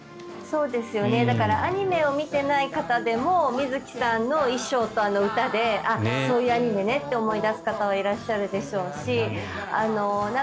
だからアニメを見てない方でも水木さんの衣装とあの歌でそういうアニメねと思い出す方もいらっしゃるでしょうし。